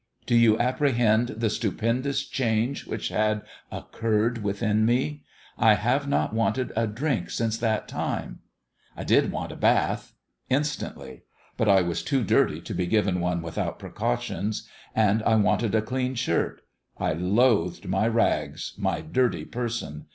Do you apprehend the stupendous change which had occurred within me ?/ have not wanted a drink since that time /... I did want a bath. Instantly. But 1 was too dirty to be given one without precautions. And I wanted a clean shirt. I loathed my rags my dirty person.